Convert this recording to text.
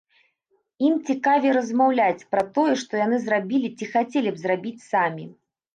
Ім цікавей размаўляць пра тое, што яны зрабілі ці хацелі б зрабіць самі.